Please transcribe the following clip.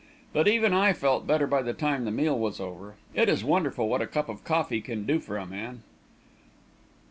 But even I felt better by the time the meal was over. It is wonderful what a cup of coffee can do for a man!